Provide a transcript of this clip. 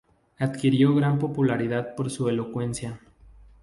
Adquirió gran popularidad por su elocuencia.